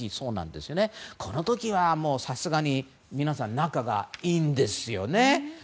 この時はさすがに皆さん、仲がいいんですよね。